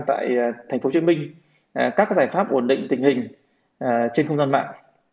tại tp hcm các giải pháp ổn định tình hình trên hôn doan mạng